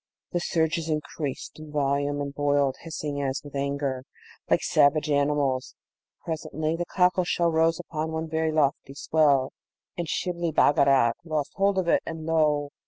The surges increased in volume, and boiled, hissing as with anger, like savage animals. Presently, the cockle shell rose upon one very lofty swell, and Shibli Bagarag lost hold of it, and lo!